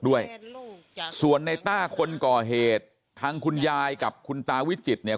ด้วยส่วนในต้าคนก่อเหตุทางคุณยายกับคุณตาวิจิตเนี่ย